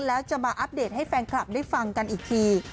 แล้วจะมาอัปเดตให้แฟนคลับได้ฟังกันอีกที